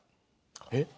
えっ？